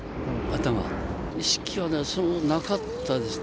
意識はなかったですね。